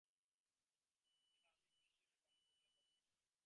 ইহা আমি বিশ্বেশ্বরের বাণী বলিয়া গ্রহণ করিলাম।